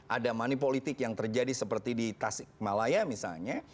ada manipolitik yang terjadi seperti di tasikmalaya misalnya